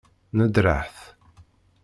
Nedreɣ-t.